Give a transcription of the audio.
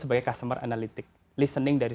sebagai customer analytic listening dari